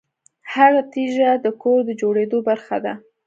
هره تیږه د کور د جوړېدو برخه ده.